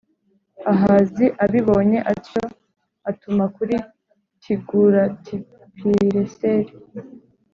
Ahazi abibonye atyo atuma kuri Tigulatipileseri